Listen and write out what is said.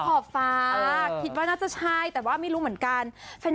ขอบฟ้าคิดว่าน่าจะใช่แต่ว่าไม่รู้เหมือนกัน